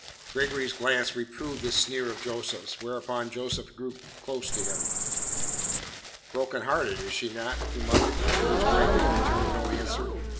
Gregory's glance reproved this sneer of Joseph's, whereupon Joseph drew close to him: "Broken hearted, is she not?" he muttered, to which Gregory returned no answer.